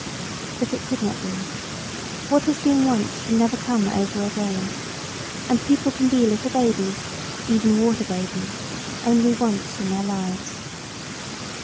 But it could not be. What has been once can never come over again. And people can be little babies, even water babies, only once in their lives.